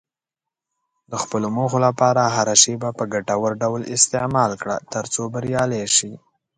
د خپلو موخو لپاره هره شېبه په ګټور ډول استعمال کړه، ترڅو بریالی شې.